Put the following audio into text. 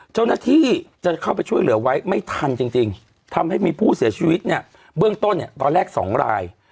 เจ้าหน้าที่จะเข้าไปช่วยเหลือไว้ไม่ทันจริงทำให้มีผู้เสียชีวิตเนี่ยเบื้องต้นเนี่ยตอนแรก๒ราย